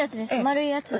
丸いやつ。